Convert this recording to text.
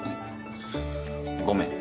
ごめん。